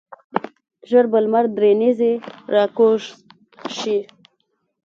ژر به لمر درې نیزې راکوز شي.